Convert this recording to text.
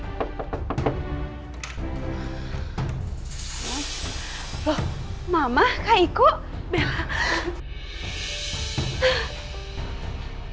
afif kamu kagak banget sih udah berdua ini